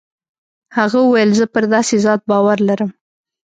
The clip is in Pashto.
هغه وويل زه پر داسې ذات باور لرم.